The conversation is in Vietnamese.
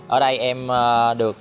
ở đây em được học tập